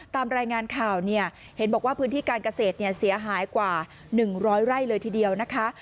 ตามรายงานข่าวเนี่ยเห็นบอกว่าพื้นที่การเกษตรเสียหายกว่า๑๐๐ไร่เลยทีเดียวนะคะ